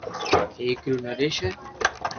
ايڪ رو نريݾ ھي